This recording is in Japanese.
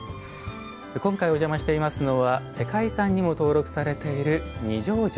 今回お邪魔していますのは世界遺産にも登録されている二条城。